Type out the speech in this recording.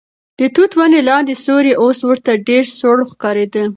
د توت ونې لاندې سیوری اوس ورته ډېر سوړ ښکارېده.